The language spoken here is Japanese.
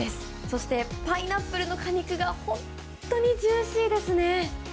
そして、パイナップルの果肉が本当にジューシーですね。